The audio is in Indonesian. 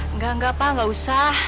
enggak enggak pak nggak usah